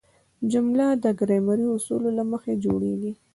جمله د ګرامري اصولو له مخه جوړیږي.